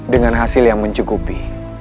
dengan hasil yang mencukupi